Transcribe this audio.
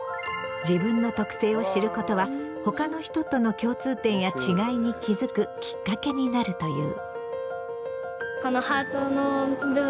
自分の特性を知ることは他の人との共通点や違いに気付くきっかけになるという。